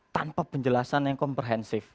tanpa penjelasan yang komprehensif